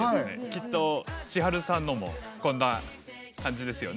きっとちはるさんのもこんな感じですよね？